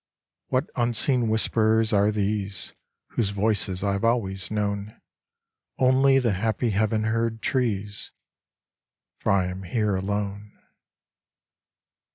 What unseen whisperers are these Whose voices I have always known? Only the happy heaven heard trees, For I am here alone.